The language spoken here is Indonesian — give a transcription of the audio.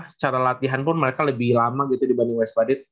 secara latihan pun mereka lebih lama gitu dibanding west badit